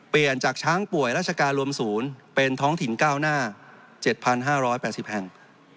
จากช้างป่วยราชการรวมศูนย์เป็นท้องถิ่นก้าวหน้า๗๕๘๐แห่ง